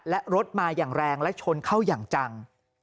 และรถมาอย่างแรงและชนเข้าอย่างจัง